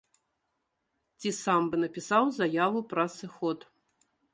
Ці сам бы напісаў заяву пра сыход.